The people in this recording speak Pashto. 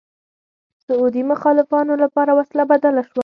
سعودي مخالفانو لپاره وسله بدله شوه